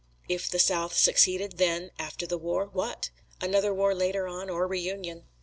If the South succeeded, then, after the war, what? Another war later on or reunion.